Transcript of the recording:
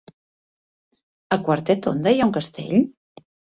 A Quatretonda hi ha un castell?